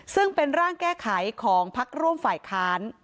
ซึ่งเป็นร่างแก้ไขของพักร่วมฝ่ายค้าน